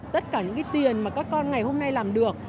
tất cả những cái tiền mà các con ngày hôm nay làm được